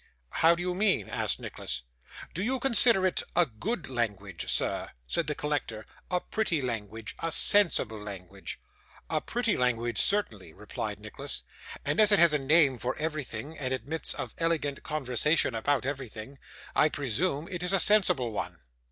'How do you mean?' asked Nicholas. 'Do you consider it a good language, sir?' said the collector; 'a pretty language, a sensible language?' 'A pretty language, certainly,' replied Nicholas; 'and as it has a name for everything, and admits of elegant conversation about everything, I presume it is a sensible one.